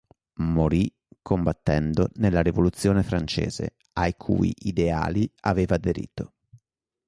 Morì combattendo nella Rivoluzione francese, ai cui ideali aveva aderito.